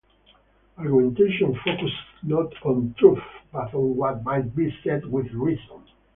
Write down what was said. Argumentation focused not on truth but on what might be said with reason.